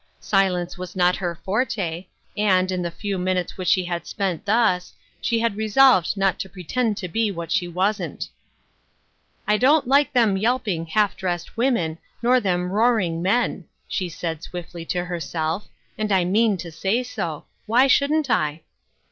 Silence was not her forte, and, in the few minutes which she had spent thus, she had resolved not to pretend to be what she wasn't. " I don't like them yelping, half dressed women, nor them roaring men," she said, swiftly, to herself, " and I mean to say so. Why shouldn't I?"